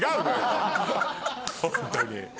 ホントに。